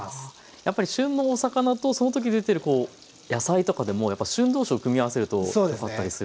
やっぱり旬のお魚とその時出てるこう野菜とかでもやっぱり旬同士を組み合わせるとよかったりする。